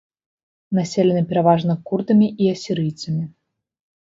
Населены пераважна курдамі і асірыйцамі.